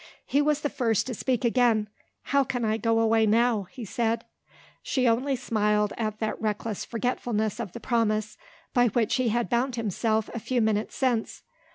He was the first to speak again. "How can I go away now?" he said. She only smiled at that reckless forgetfulness of the promise, by which he had bound himself a few minutes since.